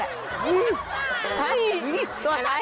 อื้อตัวใส่